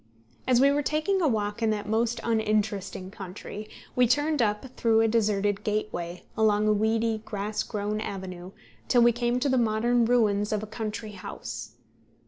As we were taking a walk in that most uninteresting country, we turned up through a deserted gateway, along a weedy, grass grown avenue, till we came to the modern ruins of a country house.